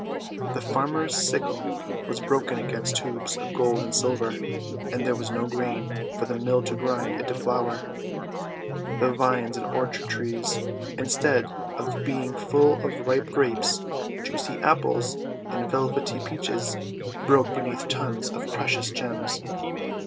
The farmer's sickle was broken against tubes of gold and silver, and there was no grain for the mill to grind into flour. The vines and orchard trees, instead of being full of ripe Grapes, juicy Apples, and velvety Peaches, broke beneath tons of precious gems.